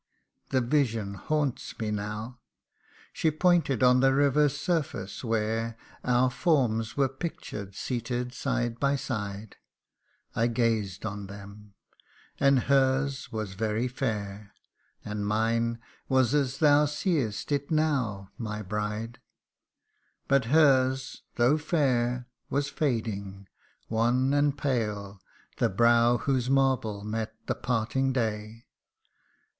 the vision haunts me now !' She pointed on the river's surface, where Our forms were pictured seated side by side ; I gazed on them, and her's was very fair ; And mine was as thou seest it now, my bride. But her's, though fair, was fading wan and pale The brow whose marble met the parting day.